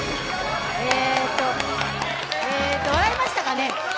えーと笑いましたかね。